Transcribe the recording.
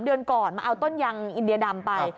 เดือนก่อนมาเอาต้นยางอินเดียดำไป